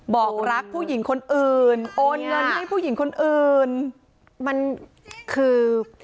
บอกรักผู้หญิงคนอื่นโอนเงินให้ผู้หญิงคนอื่นมันคือ